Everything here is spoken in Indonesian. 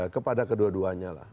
kepada kedua duanya lah